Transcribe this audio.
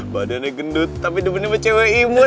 badannya gendut tapi demennya emang cewek imut